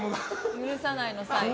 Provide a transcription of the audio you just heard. ゆるさないのサイン。